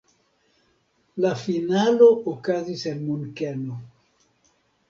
La finalo okazis en Munkeno.